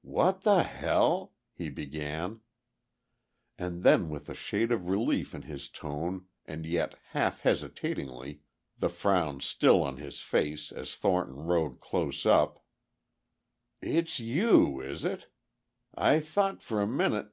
"What the hell ..." he began. And then with a shade of relief in his tone and yet half hesitatingly, the frown still on his face as Thornton rode close up, "It's you, is it? I thought for a minute...."